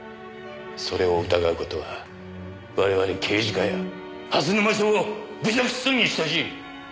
それを疑う事は我々刑事課や蓮沼署を侮辱するに等しい！